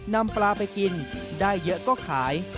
นำปลาไปกินได้เยอะก็ขาย